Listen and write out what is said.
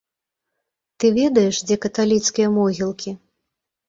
Ты ведаеш, дзе каталіцкія могілкі?